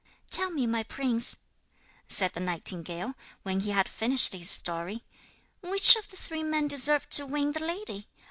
'Tell me, my prince,' said the nightingale, when he had finished his story, 'which of the three men deserved to win the lady?